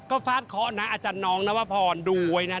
ก็ฟาดเคาะนะอาจารย์น้องนวพรดูไว้นะ